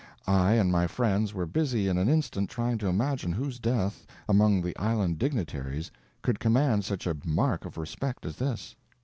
I and my friends were busy in an instant trying to imagine whose death, among the island dignitaries, could command such a mark of respect as this.